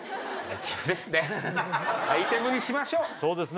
アイテムにしましょうそうですね